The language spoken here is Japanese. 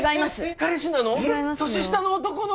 彼氏なの？